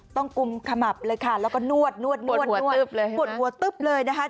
ต้องกุมขมับเลยค่ะแล้วก็นวดปวดหัวตึ๊บเลยนะคะ